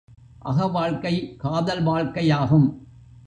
அக வாழ்க்கை காதல் வாழ்க்கையாகும்.